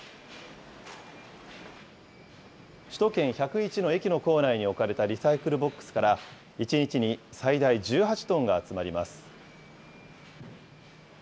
首都圏１０１の駅の構内に置かれたリサイクルボックスから、１日に最大１８トンが集まります。